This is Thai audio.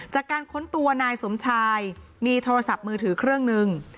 ค้นตัวนายสมชายมีโทรศัพท์มือถือเครื่องหนึ่ง